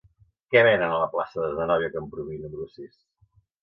Què venen a la plaça de Zenòbia Camprubí número sis?